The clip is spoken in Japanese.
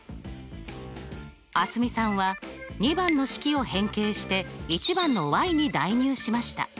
蒼澄さんは２番の式を変形して１番のに代入しました。